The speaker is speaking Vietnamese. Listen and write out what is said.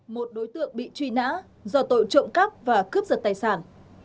một đối tượng bị truy nã do tội trộm cắp và cướp giật tài sản